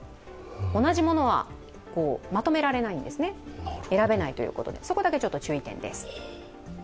同じものはまとめられない選べないということでそこだけちょっと注意点です。